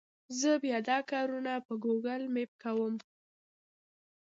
زه بیا دا کارونه په ګوګل مېپ کوم.